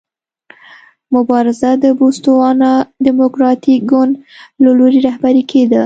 مبارزه د بوتسوانا ډیموکراټیک ګوند له لوري رهبري کېده.